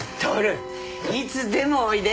享いつでもおいで。